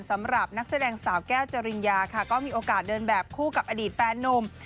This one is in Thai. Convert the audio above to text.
สำหรับนักแสดงสาวแก้วจริญญาค่ะก็มีโอกาสเดินแบบคู่กับอดีตแฟนนุ่ม